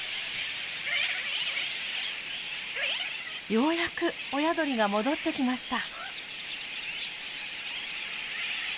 ようやく親鳥が戻ってきました。